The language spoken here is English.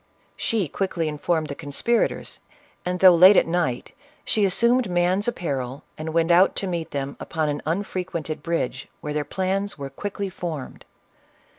She quickly informed the conspirators, and, though late at night, she assumed man's apparel, and went out to meet them upon an unfrequented bridge, where their plans were quickly formed.